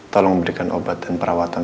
tolong memberikan obat dan perawatan